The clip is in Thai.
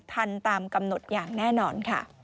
ทันตามกำหนดอย่างแน่นอน